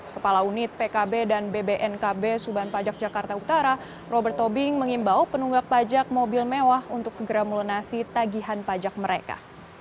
kepala unit pkb dan bbnkb suban pajak jakarta utara robert tobing mengimbau penunggak pajak mobil mewah untuk segera melunasi tagihan pajak mereka